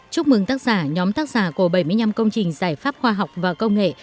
chúc mừng tác giả nhóm tác giả của bảy mươi năm công trình giải pháp khoa học và công nghệ